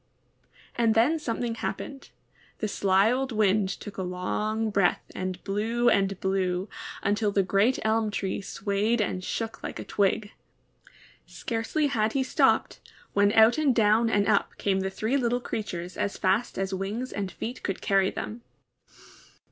And then something happened. The sly old Wind took a long breath and blew and blew, until the great elm tree swayed and shook like a twig. Scarcely had he stopped, when out and down and up came the three little creatures as fast as wings and feet could carry them.